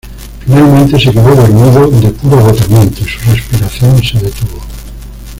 Finalmente, se quedó dormido de puro agotamiento, y su respiración se detuvo.